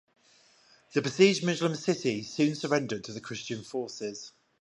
The besieged Muslim city soon surrendered to the Christian forces.